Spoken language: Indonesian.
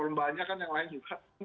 belum banyak kan yang lain juga